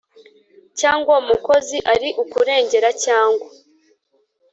Cyangwa uwo mukozi ari ukurengera cyangwa